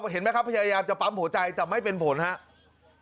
เห็นไหมครับพยายามจะปั๊มหัวใจแต่ไม่เป็นผลครับ